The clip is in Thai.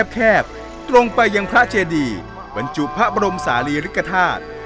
แคบตรงไปยังพระเจดีบรรจุพระบรมศาลีริกฐาตุ